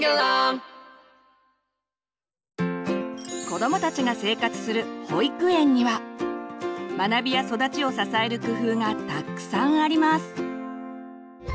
子どもたちが生活する保育園には学びや育ちを支える工夫がたくさんあります。